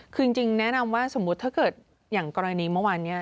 คือจริงแนะนำว่าสมมุติถ้าเกิดอย่างกรณีเมื่อวานนี้